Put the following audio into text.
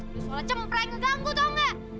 soalnya cempreng ngeganggu tahu enggak